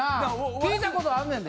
聞いた事あんねんで。